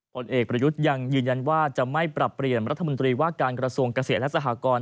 ผลเอกประยุทธ์ยังยืนยันว่าจะไม่ปรับเปลี่ยนรัฐมนตรีว่าการกระทรวงเกษตรและสหกร